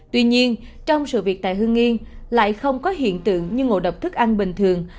tuy nhiên trong sự việc tại hương nghiên lại không có hiện tượng như ngộ độc thức ăn bình thường